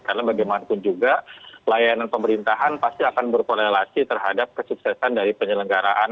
karena bagaimanapun juga layanan pemerintahan pasti akan berkorelasi terhadap kesuksesan dari penyelenggaraan